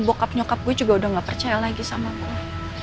bokap nyokap gue juga udah gak percaya lagi samaku